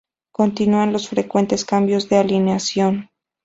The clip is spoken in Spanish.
Continúan los frecuentes cambios de alineación.